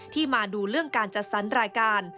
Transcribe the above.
ที่มาดูเรื่องการจัดสรรรายการ